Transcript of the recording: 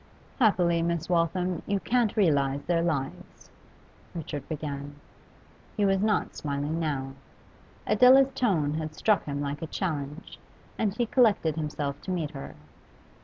'Happily, Miss Waltham, you can't realise their lives,' Richard began. He was not smiling now; Adela's tone had struck him like a challenge, and he collected himself to meet her.